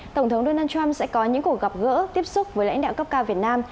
tổng thống donald trump sẽ có những cuộc gặp gỡ tiếp xúc với lãnh đạo cấp cao việt nam